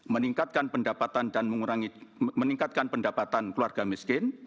meningkatkan pendapatan keluarga miskin